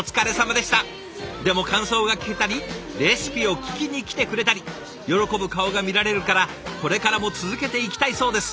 でも感想が聞けたりレシピを聞きに来てくれたり喜ぶ顔が見られるからこれからも続けていきたいそうです！